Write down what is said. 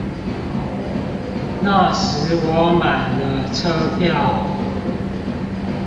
那時我買了車票